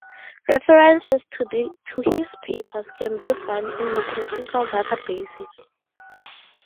References to his papers can be found in mathematical databases.